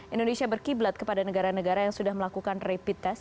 indonesia berkiblat kepada negara negara yang sudah melakukan rapid test